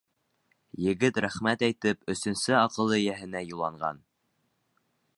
Егет, рәхмәт әйтеп, өсөнсө аҡыл эйәһенә юлланған.